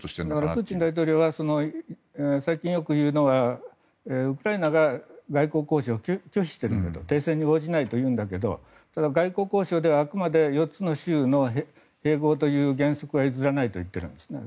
プーチン大統領は最近よく言うのはウクライナが外交交渉を拒否しているんだと停戦に応じないというんだけどただ外交交渉ではあくまで４つの州の併合という原則は譲れないと言っているんですね。